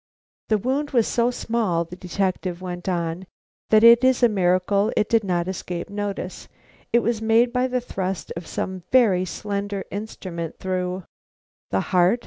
"The wound was so small," the detective went on, "that it is a miracle it did not escape notice. It was made by the thrust of some very slender instrument through " "The heart?"